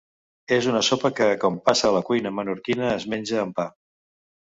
És una sopa que, com passa a la cuina menorquina es menja amb pa.